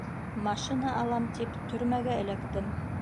Машина алам тип, төрмәгә эләктем.